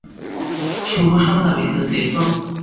শুভসন্ধ্যা Mrs Jason.